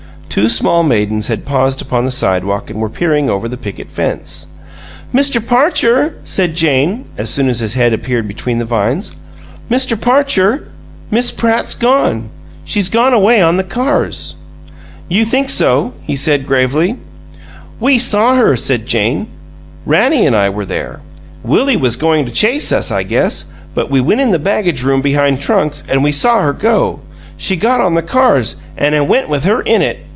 Two small maidens had paused upon the sidewalk, and were peering over the picket fence. "Mr. Parcher," said Jane, as soon as his head appeared between the vines "Mr. Parcher, Miss Pratt's gone. She's gone away on the cars." "You think so?" he asked, gravely. "We saw her," said Jane. "Rannie an' I were there. Willie was goin' to chase us, I guess, but we went in the baggage room behind trunks, an' we saw her go. She got on the cars, an' it went with her in it.